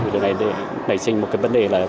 để đẩy trình một cái vấn đề là